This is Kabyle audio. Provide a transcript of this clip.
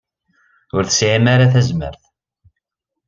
Ur tesɛim ara tazmert.